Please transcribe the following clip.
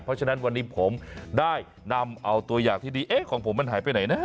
เพราะฉะนั้นวันนี้ผมได้นำเอาตัวอย่างที่ดีเอ๊ะของผมมันหายไปไหนนะ